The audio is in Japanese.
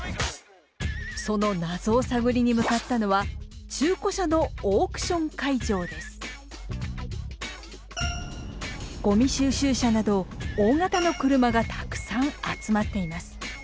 その謎を探りに向かったのはゴミ収集車など大型の車がたくさん集まっています。